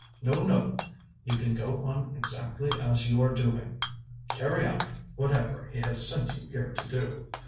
No, no, you can go on exactly as you are doing. Carry out whatever he has sent you here to do.